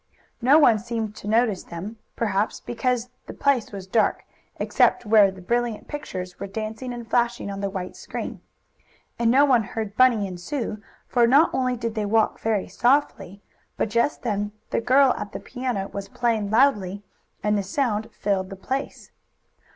No one seemed to notice them, perhaps because the place was dark, except where the brilliant pictures were dancing and flashing on the white screen. And no one heard Bunny and Sue, for not only did they walk very softly, but just then the girl at the piano was playing loudly, and the sound filled the place.